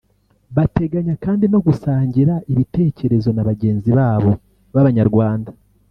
Bateganya kandi no gusangira ibitekerezo na bagenzi babo b’Abanyarwanda